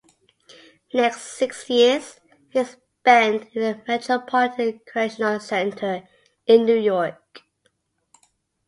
Next six years he spent in the Metropolitan Correctional Center in New York.